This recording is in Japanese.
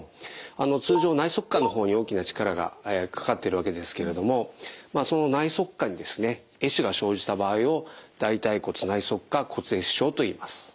通常内側顆の方に大きな力がかかっているわけですけれどもその内側顆に壊死が生じた場合を大腿骨内側顆骨壊死症といいます。